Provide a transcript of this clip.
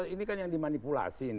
ini kan yang dimanipulasi